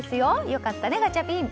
よかったね、ガチャピン。